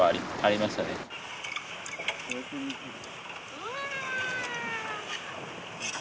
「うわ！」。